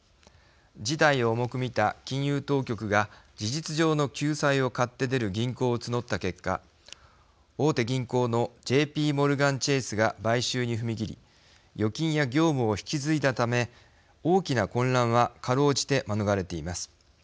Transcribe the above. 事態を重く見た金融当局が事実上の救済を買ってでる銀行を募った結果、大手銀行のＪＰモルガン・チェースが買収に踏み切り預金や業務を引き継いだため大きな混乱はかろうじて免れています。